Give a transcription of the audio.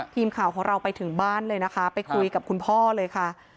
ทีมข่าวของเราไปถึงบ้านเลยนะคะไปคุยกับคุณพ่อเลยค่ะ